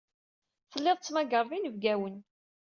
Tellid tettmagared inebgawen.